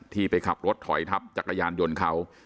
ไปขับรถถอยทับจักรยานยนต์เขา